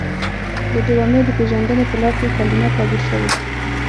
د ډرامې د پیژندنې په لړ کې کلمه تعبیر شوې.